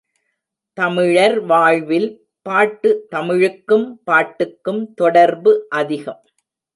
தமிழர் வாழ்வில் பாட்டு தமிழுக்கும் பாட்டுக்கும் தொடர்பு அதிகம்.